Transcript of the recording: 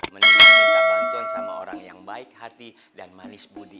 mendingan minta bantuan sama orang yang baik hati dan manis budi